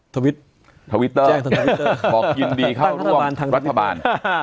ทวิตเตอร์บอกยินดีเข้าร่วมรัฐบาล